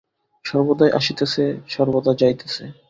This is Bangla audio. সর্বদাই আসিতেছে, সর্বদা যাইতেছে।